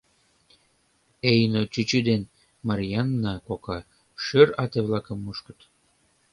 Эйно чӱчӱ ден Марйаана кока шӧр ате-влакым мушкыт.